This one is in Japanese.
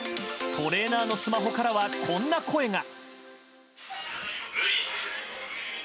トレーナーのスマホからはこんな声が。